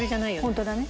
ホントだね。